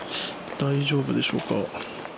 大丈夫でしょうか。